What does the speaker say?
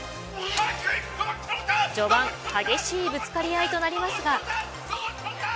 序盤激しいぶつかり合いとなりますが。